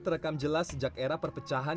terekam jelas sejak era perpecahan